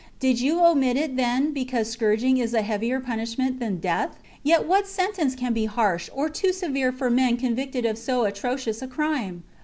Did you omit it, then, because scourging is a heavier punishment than death ? Yet what sentence can be harsh or too severe for men convicted of so atrocious a crime